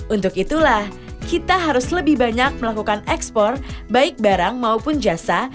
untuk itulah kita harus lebih banyak melakukan ekspor baik barang maupun jasa